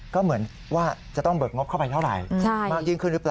ก็เหมือนว่าจะต้องเบิกงบเข้าไปเท่าไหร่